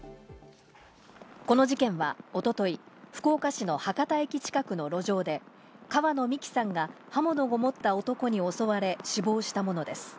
この事件は一昨日、福岡市の博多駅近くの路上で、川野美樹さんが刃物を持った男に襲われ死亡したものです。